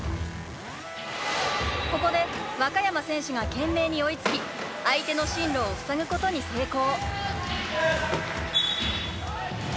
ここで若山選手が懸命に追いつき相手の進路をふさぐことに成功。